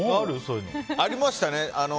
ありましたね。